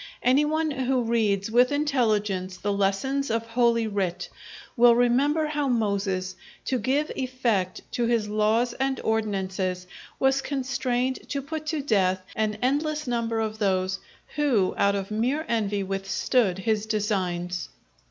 Any one who reads with intelligence the lessons of Holy Writ, will remember how Moses, to give effect to his laws and ordinances, was constrained to put to death an endless number of those who out of mere envy withstood his designs.